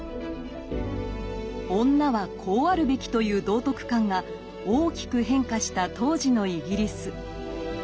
「女はこうあるべき」という道徳観が大きく変化した当時のイギリス。